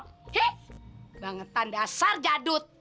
he bangetan dasar jadut